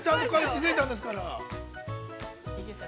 気づいたんですから。